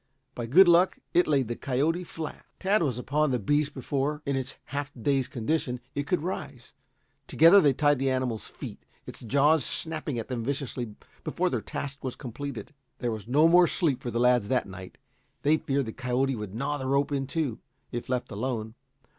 By good luck, it laid the coyote flat. Tad was upon the beast before, in its half dazed condition, it could rise. Together they tied the animal's feet, its jaws snapping at them viciously before their task was completed. There was no more sleep for the lads that night. They feared the coyote would gnaw the rope in two, if left alone.